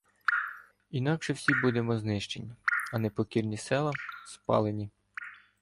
Інакше всі будемо знищені, а непокірні села — спалені.